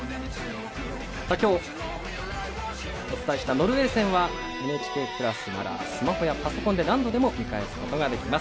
今日、お伝えしたノルウェー戦はＮＨＫプラスならスマホやパソコンで何度でも見返すことができます。